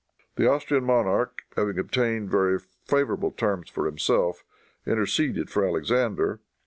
The Austrian monarch, having obtained very favorable terms for himself, interceded for Alexander.